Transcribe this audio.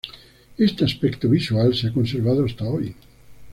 Este aspecto visual se ha conservado hasta hoy.